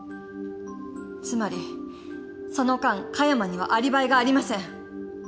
つまりその間加山にはアリバイがありません。